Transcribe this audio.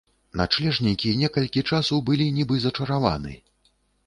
Начлежнікі некалькі часу былі нібы зачараваны.